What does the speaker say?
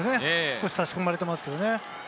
少し差し込まれてますけどね。